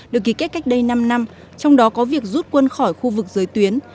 được ký kết cách đây năm năm trong đó có việc rút quân khỏi khu vực giới tuyến